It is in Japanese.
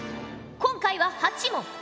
今回は８問。